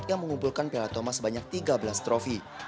yang mengumpulkan piala thomas sebanyak tiga belas trofi